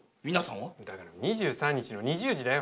だから２３日の２０時だよ。